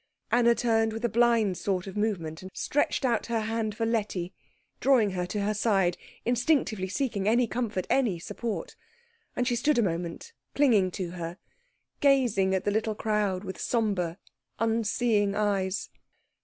Anna turned with a blind sort of movement, and stretched out her hand for Letty, drawing her to her side, instinctively seeking any comfort, any support; and she stood a moment clinging to her, gazing at the little crowd with sombre, unseeing eyes.